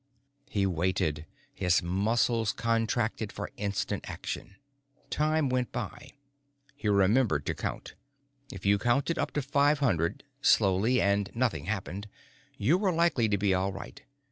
_ He waited, his muscles contracted for instant action. Time went by. He remembered to count. If you counted up to five hundred, slowly, and nothing happened, you were likely to be all right.